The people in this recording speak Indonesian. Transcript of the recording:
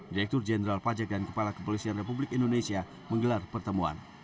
direktur jenderal pajak dan kepala kepolisian republik indonesia menggelar pertemuan